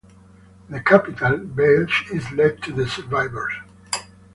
In the capital, Veitch is led to the survivors.